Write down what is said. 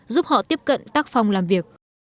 giúp họ tiếp cận tác phong làm việc